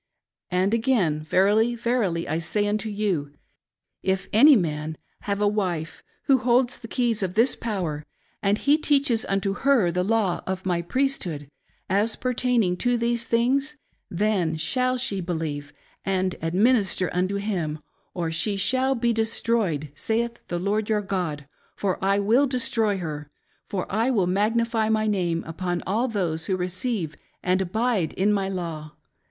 And again, verily, verily I say unto you, if any man have a wife who holds the keys of this power, and he teaches unto her the law of my priesthood, as pertaining to these things ; then shall she believe and administer unto him, or she shall be destroyed, saith the Lord your God ; for I will destroy her ; for I will magnify my name upon all those who receive and abide in my law.